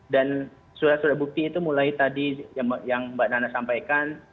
dan surat surat bukti itu mulai tadi yang mbak nana sampaikan